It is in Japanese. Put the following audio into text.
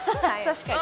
確かに。